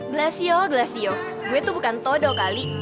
glasio glasio gue itu bukan todo kali